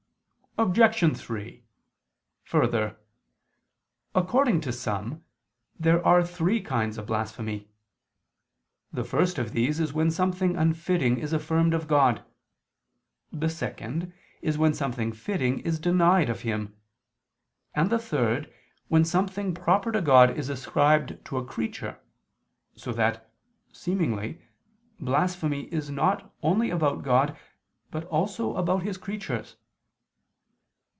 Obj. 3: Further, according to some, there are three kinds of blasphemy. The first of these is when something unfitting is affirmed of God; the second is when something fitting is denied of Him; and the third, when something proper to God is ascribed to a creature, so that, seemingly, blasphemy is not only about God, but also about His creatures.